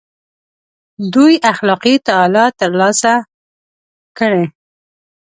دوی اخلاقي تعالي تر لاسه کړي.